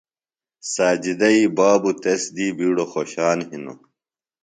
ساجدئی بابوۡ تس دی بِیڈوۡ خوشان ہِنوۡ۔